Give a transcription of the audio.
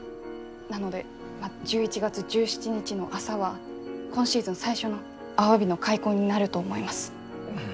なので１１月１７日の朝は今シーズン最初のアワビの開口になると思います。